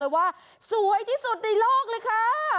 ว่าสวยที่สุดในโลกเลยค่ะ